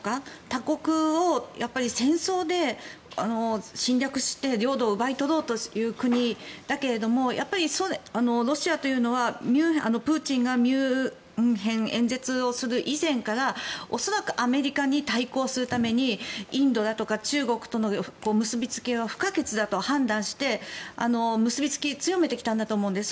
他国を戦争で侵略して領土を奪い取ろうという国だけれどもロシアというのはプーチンがミュンヘン演説をする以前から恐らくアメリカに対抗するためにインドだとか中国との結びつきは不可欠だと判断して、結びつきを強めてきたんだと思うんです。